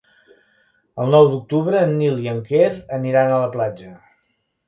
El nou d'octubre en Nil i en Quer aniran a la platja.